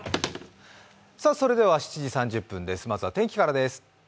それでは７時３０分ですまずは天気からです。